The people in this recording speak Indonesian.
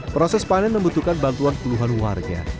proses panen membutuhkan bantuan puluhan warga